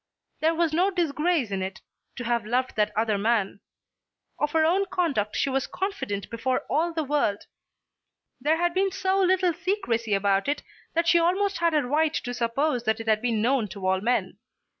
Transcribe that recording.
There was no disgrace in it, to have loved that other man. Of her own conduct she was confident before all the world. There had been so little secrecy about it that she almost had a right to suppose that it had been known to all men.